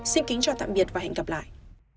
xin kính chào tạm biệt và hẹn gặp lại